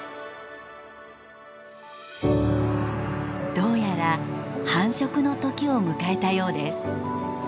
どうやら繁殖の時を迎えたようです。